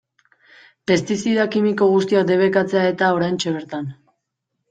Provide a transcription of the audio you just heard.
Pestizida kimiko guztiak debekatzea eta oraintxe bertan.